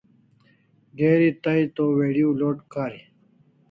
Geri tay to video load kari